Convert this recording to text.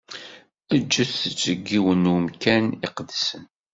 Eǧǧet-tt deg yiwen n umkan iqedsen.